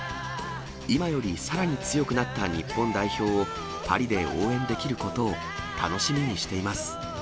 今よりさらに強くなった日本代表をパリで応援できることを楽しみにしています！